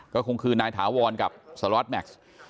ก็คงคือนายถาวรกับสล็อตแม็กซ์